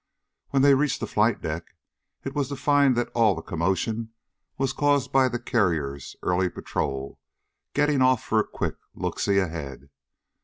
When they reached the flight deck it was to find that all the commotion was caused by the carrier's early patrol getting off for a quick look see ahead.